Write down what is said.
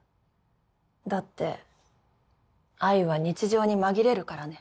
だって愛は日常に紛れるからね。